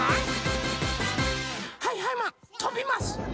はいはいマンとびます！